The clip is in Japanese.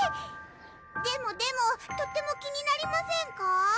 ⁉でもでもとっても気になりませんか？